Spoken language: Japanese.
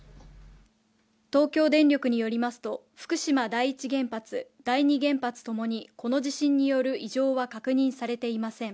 東京電力によりますと、福島第一原発、第二原発ともにこの地震による異常は確認されていません。